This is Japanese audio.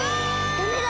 ダメだ！